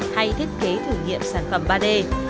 hay thiết kế thử nghiệm sản phẩm ba d